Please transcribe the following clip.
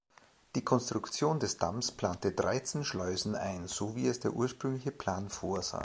Die Konstruktion des Damms plante dreizehn Schleusen ein, so wie es der ursprüngliche Plan vorsah.